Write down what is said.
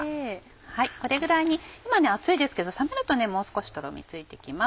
これぐらいに今熱いですけど冷めるともう少しとろみついて来ます。